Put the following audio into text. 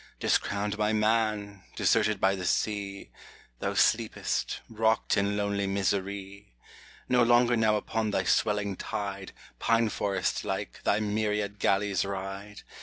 Discrowned by man, deserted by the sea, Thou sleepest, rocked in lonely misery ! No longer now upon thy swelling tide, Pine forest like, thy myriad galleys ride